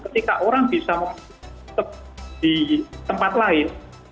ketika orang bisa di tempat lain